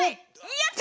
やった！